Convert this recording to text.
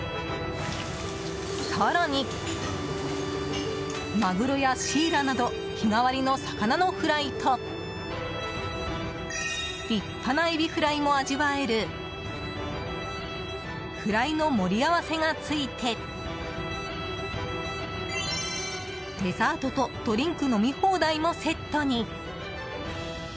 更にマグロやシイラなど日替わりの魚のフライと立派なエビフライも味わえるフライの盛り合わせが付いてデザートとドリンク飲み放題もセットに。